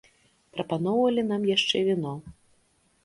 Прапаноўвалі нам яшчэ віно.